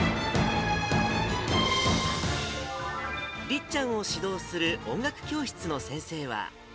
りっちゃんを指導する音楽教室の先生は。